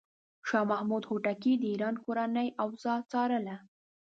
شاه محمود هوتکی د ایران کورنۍ اوضاع څارله.